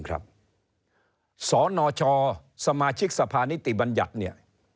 สรณชอสมาชิกสภานิติบัญญัติ